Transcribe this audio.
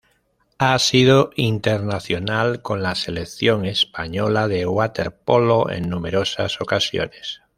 Ha sido internacional con la selección española de waterpolo en numerosas ocasiones.